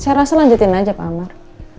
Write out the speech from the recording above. saya rasa lanjutin aja pak amar